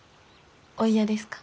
お嫌ですか？